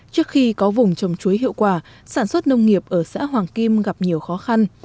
trước khi có vùng trồng chuối hiệu quả sản xuất nông nghiệp ở xã hoàng kim gặp nhiều khó khăn